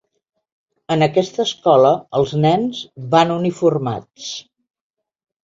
En aquesta escola els nens van uniformats.